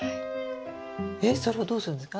えっそれをどうするんですか？